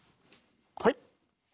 はい！